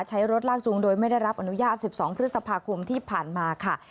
ใช้รถลากจูงโดยไม่ได้รับอนุญาต๑๒พฤษภาคมที่ผ่านมาค่ะ